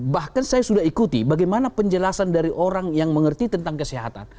bahkan saya sudah ikuti bagaimana penjelasan dari orang yang mengerti tentang kesehatan